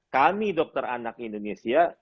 kami dokter anak indonesia